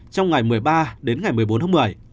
trong ngày một mươi ba đến ngày một mươi bốn tháng một mươi